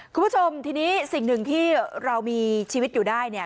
คุณผู้ชมทีนี้สิ่งหนึ่งที่เรามีชีวิตอยู่ได้เนี่ย